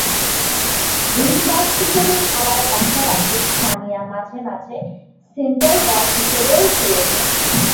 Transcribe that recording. Wing-back হিসেবে খেলার পাশাপাশি সানিয়া মাঝে মাঝে সেন্টার ব্যাক হিসেবেও খেলেছেন।